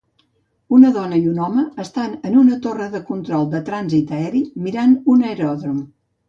Una dona i un home estan en una torre de control de trànsit aeri mirant un aeròdrom.